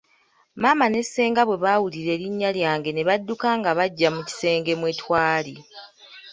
Maama ne ssenga bwe baawulira erinnya lyange ne badduka nga bajja mu kisenge mwe twali.